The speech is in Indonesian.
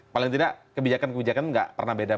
paling tidak kebijakan kebijakan nggak pernah beda